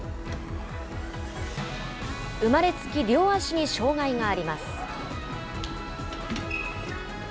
生まれつき両足に障害があります。